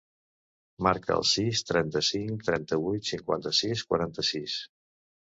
Marca el sis, trenta-cinc, trenta-vuit, cinquanta-sis, quaranta-sis.